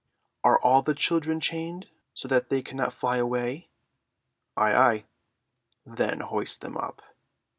"Are all the children chained, so that they cannot fly away?" "Ay, ay." "Then hoist them up."